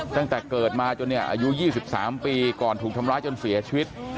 ตั้งแต่เกิดมาจนเนี่ยอายุ๒๓ปีก่อนถูกทำร้ายจนเสียชีวิต